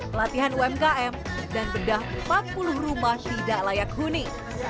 pelatihan umkm dan bedah empat puluh rumah tidak layak huni